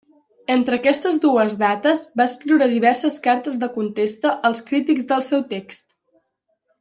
Entre aquestes dues dates, va escriure diverses cartes de contesta als crítics del seu text.